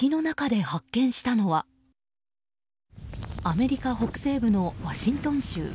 アメリカ北西部のワシントン州。